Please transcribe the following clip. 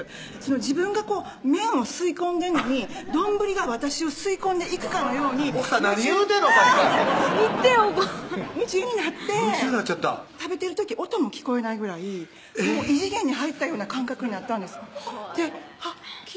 自分が麺を吸い込んでんのに丼が私を吸い込んでいくかのように奥さん何言うてんのさっきから一点をこう夢中になって夢中になっちゃった食べてる時音も聞こえないぐらい異次元に入ったような感覚になったんですで気ぃ